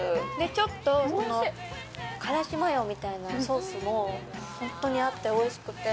ちょっとからしマヨ見たいなソースも本当に合って、おいしくて。